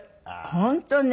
本当ね。